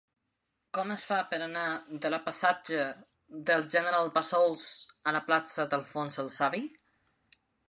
Com es fa per anar de la passatge del General Bassols a la plaça d'Alfons el Savi?